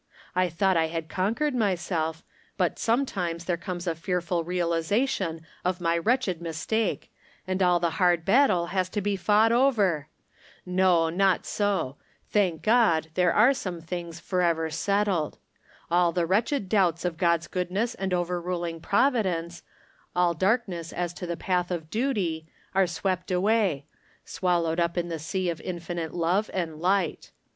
I thought I had conquered myself, but sometimes there comes a fearful realization of my wretched 270 From Different Standpoints. mistake, and all the hard battle has to be fought oyer ! No, not so ; thank God there are some things foreyer settled ! All the wretched doubts of God's goodness and overruling providence, all darkness as to the path of duty, are swept away — swallowed up in the sea of infinite love and light.